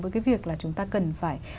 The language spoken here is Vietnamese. với cái việc là chúng ta cần phải